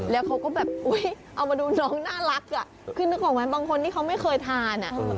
แล้วเขาก็แบบอุ๊ยเอามาดูน้องน่ารักอ่ะคือนึกออกไหมบางคนที่เขาไม่เคยทาน